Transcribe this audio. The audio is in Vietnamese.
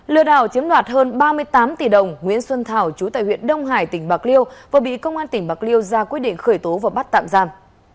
lừa đảo chiếm đoạt hơn ba mươi tám tỷ đồng nguyễn xuân thảo chú tại huyện đông hải tỉnh bạc liêu vừa bị công an tỉnh bạc liêu ra quyết định khởi tố và bắt tạm giam